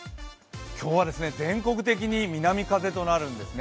今日は全国的に南風となるんですね。